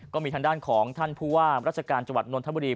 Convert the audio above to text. ก็มีทางด้านของท่านผู้ว่าราชการจังหวัดนทบุรี